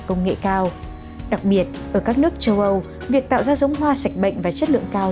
công nghệ cao đặc biệt ở các nước châu âu việc tạo ra giống hoa sạch bệnh và chất lượng cao